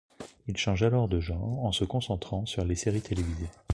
Il change alors de genre en se concentrant sur les séries télévisées.